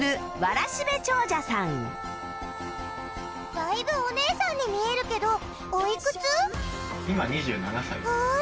だいぶお姉さんに見えるけどおいくつ？